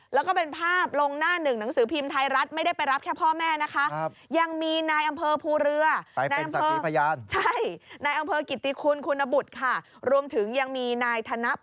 แล้วก็เป็นภาพลงหน้าหนึ่งหนังสือพิมพ์ไทยรัฐ